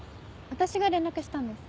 私が連絡したんです。